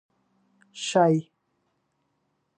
شي،